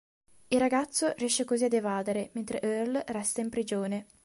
Il ragazzo riesce così ad evadere, mentre Earl resta in prigione.